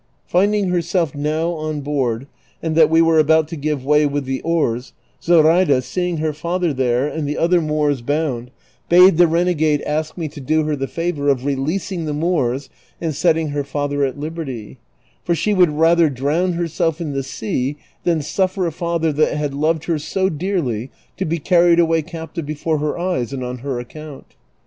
Finding herself now on board, and that we were about to give way with the oars, Zoraida, seeing her father there, and the other JMoors bound, bade the renegade ask me to do her the favor of releasing the Moors and setting her father at liberty, for she would rather drown herself in the sea than suffer a father that had loved her so dearly to be carried away caiitive before her eyes and on her account.